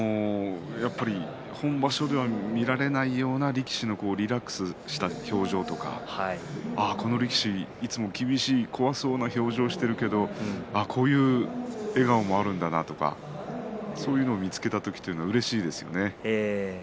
本場所では見られないような力士のリラックスした表情とかこの力士、いつも厳しい怖そうな表情をしているけどこういう笑顔もあるんだなとかそういうのを見つけた時はうれしいですよね。